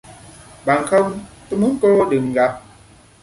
Bằng không, tôi muốn cô đừng gặp